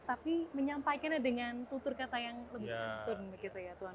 tapi menyampaikan dengan kata yang lebih santun